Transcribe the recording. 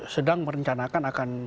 sedang merencanakan akan